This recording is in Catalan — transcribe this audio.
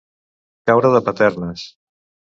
Caure de paternes.